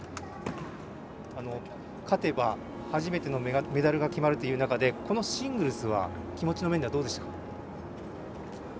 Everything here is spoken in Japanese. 勝てば初めてのメダルが決まるという中でこのシングルスは気持ちの面ではどうでしたか。